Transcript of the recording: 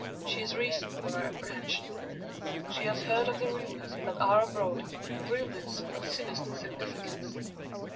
She has reasons for her apprehension. She has heard of the rumours that are abroad; rumours of sinister significance.